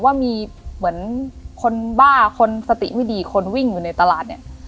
ว่ามีเหมือนคนบ้าคนสติไม่ดีคนวิ่งอยู่ในตลาดเนี่ย